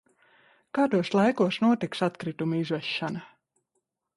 Kādos laikos notiks atkritumu izvešana?